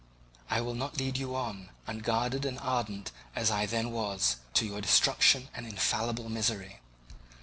I will not lead you on, unguarded and ardent as I then was, to your destruction and infallible misery.